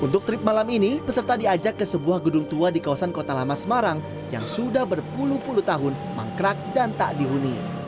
untuk trip malam ini peserta diajak ke sebuah gedung tua di kawasan kota lama semarang yang sudah berpuluh puluh tahun mangkrak dan tak dihuni